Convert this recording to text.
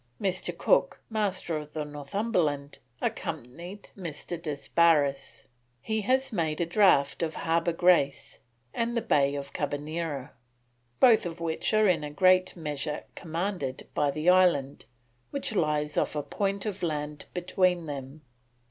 Mr. Cook, Master of the Northumberland, accompanied Mr. Desbarres. He has made a draught of Harbour Grace and the Bay of Carbonera, both of which are in a great measure commanded by the Island, which lies off a point of land between them.